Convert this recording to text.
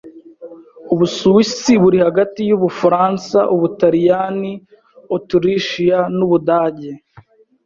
Ubusuwisi buri hagati y'Ubufaransa, Ubutaliyani, Otirishiya n'Ubudage.